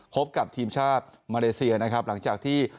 พบกับทีมชาติมาเลเซียนะครับหลังจากที่